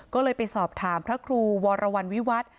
ก็เลยไปสอบถามพระครูวรวรรณวิวัตร